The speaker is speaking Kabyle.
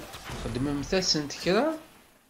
Txedmemt-asent kra?